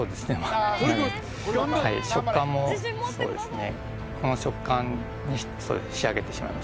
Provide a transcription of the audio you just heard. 食感もそうですね